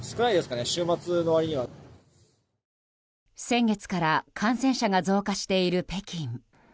先月から感染者が増加している北京。